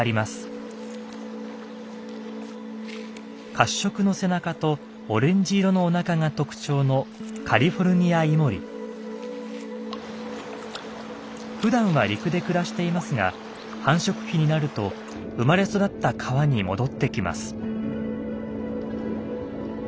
褐色の背中とオレンジ色のおなかが特徴のふだんは陸で暮らしていますが繁殖期になると生まれ育った川に戻ってきます。